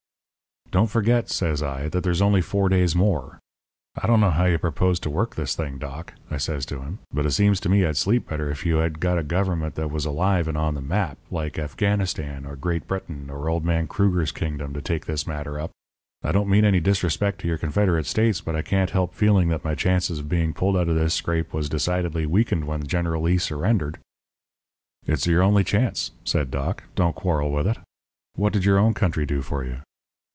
"'Don't forget,' says I, 'that there's only four days more. I don't know how you propose to work this thing, Doc,' I says to him; 'but it seems to me I'd sleep better if you had got a government that was alive and on the map like Afghanistan or Great Britain, or old man Kruger's kingdom, to take this matter up. I don't mean any disrespect to your Confederate States, but I can't help feeling that my chances of being pulled out of this scrape was decidedly weakened when General Lee surrendered.' "'It's your only chance,' said Doc; 'don't quarrel with it. What did your own country do for you?'